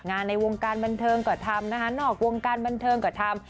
งานในวงการบันเทิงกระทำนอกวงการบันเทิงกระทำ